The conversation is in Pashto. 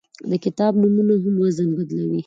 د کتاب نومونه هم وزن بدلوي.